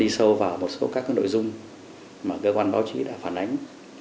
đi sâu vào một số các nội dung mà cơ quan báo chí đã phản ánh